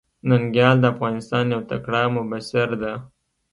ننګيال د افغانستان يو تکړه مبصر ده.